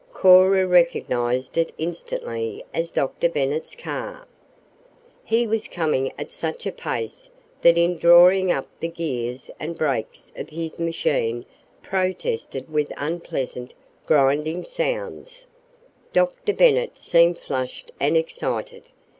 Cora recognized it instantly as Dr. Bennet's car. He was coming at such a pace that in drawing up the gears and brakes of his machine protested with unpleasant, grinding sounds. Dr. Bennet seemed flushed and excited.